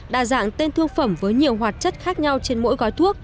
đa dạng tên thương phẩm với nhiều hoạt chất khác nhau trên mỗi gói thuốc